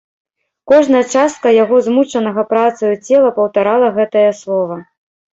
Кожная частка яго змучанага працаю цела паўтарала гэтае слова.